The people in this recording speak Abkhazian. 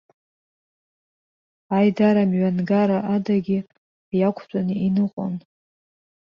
Аидарамҩангара адагьы, иақәтәан иныҟәон.